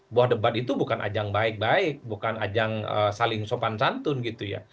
bahwa debat itu bukan ajang baik baik bukan ajang saling sopan santun gitu ya